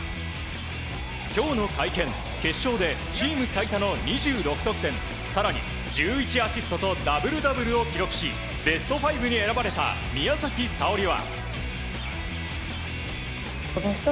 今日の会見、決勝でチーム最多の２６得点更に１１アシストとダブルダブルを記録しベスト５に選ばれた宮崎早織は。